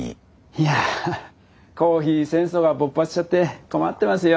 いやコーヒー戦争が勃発しちゃって困ってますよ。